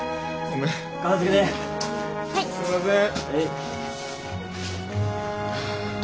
すんません。